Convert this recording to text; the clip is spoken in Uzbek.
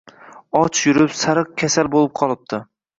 Och yurib sariq kasal bo`lib qolibdi